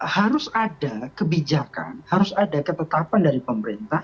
harus ada kebijakan harus ada ketetapan dari pemerintah